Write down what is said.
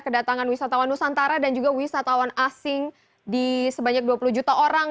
kedatangan wisatawan nusantara dan juga wisatawan asing di sebanyak dua puluh juta orang